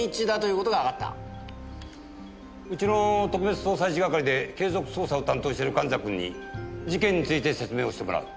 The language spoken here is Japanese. うちの特別捜査一係で継続捜査を担当している神崎君に事件について説明をしてもらう。